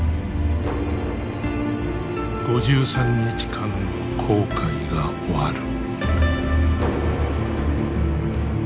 ５３日間の航海が終わる。